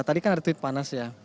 tadi kan ada tweet panas ya